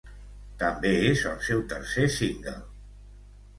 També és el seu tercer single.